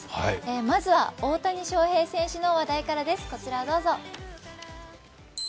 まずは大谷翔平選手の話題からです。